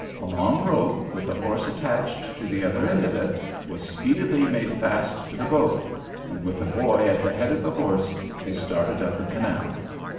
A long rope, with a horse attached to the other end of it, was speedily made fast to the boat, and with a boy at the head of the horse, they started up the canal.